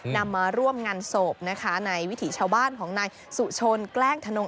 นำมาร่วมงานศพนะคะในวิถีชาวบ้านของนายสุชนแกล้งธนง